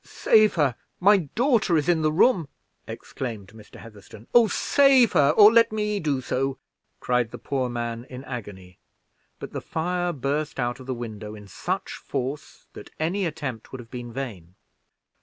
"Save her! my daughter is in the room!" exclaimed Mr. Heatherstone. "Oh, save her, or let me do so!" cried the poor man, in agony; but the fire burst out of the window in such force, that any attempt would have been in vain.